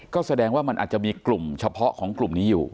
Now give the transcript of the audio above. ก็แสดงว่ามันอาจจะมีกลุ่มเฉพาะของกลุ่มนี้อยู่